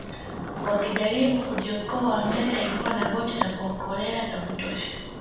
Wakijaribu kujiokoa meli haikuwa na boti za kuokolea za kutosha